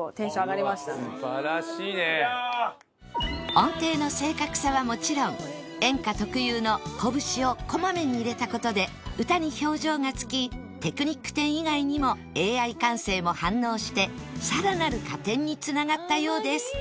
音程の正確さはもちろん演歌特有のこぶしをこまめに入れた事で歌に表情がつきテクニック点以外にも Ａｉ 感性も反応してさらなる加点に繋がったようです